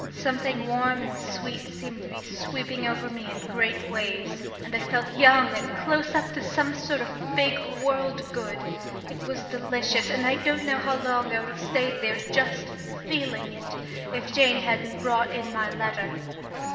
Something warm and sweet seemed to be sweeping over me in great waves, and I felt young and close up to some sort of big world good. It was delicious, and I don't know how long I would have stayed there just feeling it if Jane hadn't brought in my letter.